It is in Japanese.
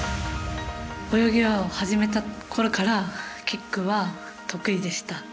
泳ぎを始めたころからキックは得意でした。